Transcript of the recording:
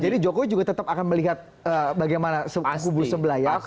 jadi jokowi juga tetap akan melihat bagaimana kubu sebelah ya